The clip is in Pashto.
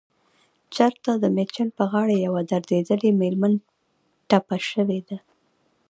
چرته دمیچن په غاړه يوه دردېدلې مېرمن ټپه شوې ده